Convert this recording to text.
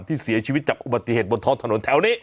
ที่เสียชีวิตจากอุบัติเหตุบนท้องถนนแถวนี้